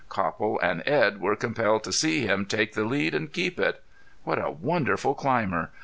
Copple and Edd were compelled to see him take the lead and keep it. What a wonderful climber!